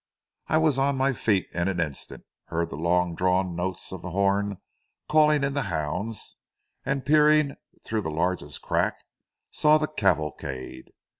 I was on my feet in an instant, heard the long drawn notes of the horn calling in the hounds, and, peering through the largest crack, saw the cavalcade.